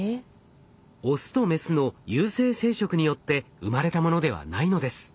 オスとメスの有性生殖によって生まれたものではないのです。